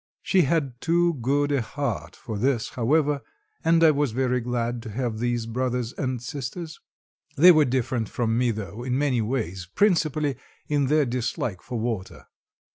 She had too good a heart for this, however, and I was very glad to have these brothers and sisters. They were different from me, though, in many ways, principally, in their dislike for water.